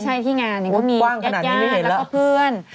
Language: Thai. ใช่ที่งานนี่ก็มีแยกยาศแล้วก็เพื่อน